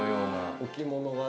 ◆置物がね。